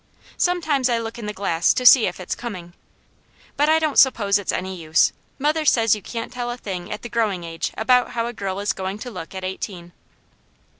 Sometimes I look in the glass to see if it's coming, but I don't suppose it's any use. Mother says you can't tell a thing at the growing age about how a girl is going to look at eighteen.